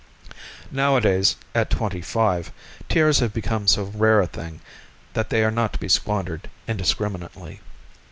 Nowadays, at twenty five, tears have become so rare a thing that they are not to be squandered indiscriminately.